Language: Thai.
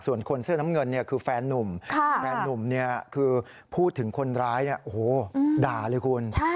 ส่วนคนเสื้อน้ำเงินคือแฟนนุ่มแฟนนุ่มคือพูดถึงคนร้ายด่าเลยคุณ